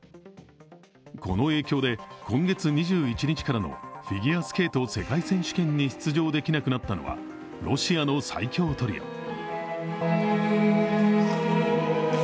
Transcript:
この影響で、今月２１日からのフィギュアスケート世界選手権に出場できなくなったのはロシアの最強トリオ。